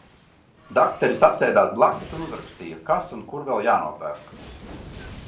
Dakteris apsēdās blakus un uzrakstīja, kas un kur vēl jānopērk.